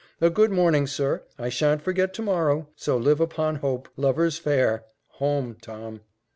A good morning, sir I sha'n't forget to morrow: so live upon hope lover's fare! Home, Tom."